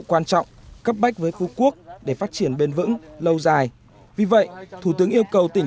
quan trọng cấp bách với phú quốc để phát triển bền vững lâu dài vì vậy thủ tướng yêu cầu tỉnh